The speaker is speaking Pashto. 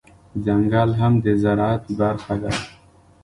ځنګل هم د زرعت برخه ده